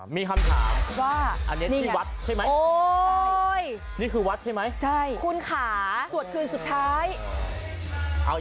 มีคำถามว่าอันนี้ที่วัดใช่ไหมนี่คือวัดใช่ไหมคุณขาสวดคืนสุดท้าย